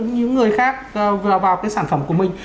những người khác vào cái sản phẩm của mình